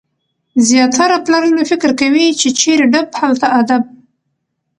زیاتره پلرونه فکر کوي، چي چيري ډب هلته ادب.